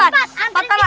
anterin kita pulang